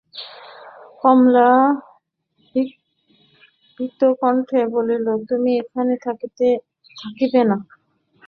কমলা ভীতকণ্ঠে কহিল, তুমি এখানে থাকিবে না?